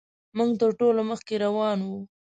موږ تر ټولو مخکې روان وو.